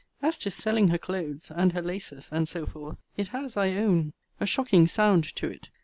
As to selling her clothes, and her laces, and so forth, it has, I own, a shocking sound to it.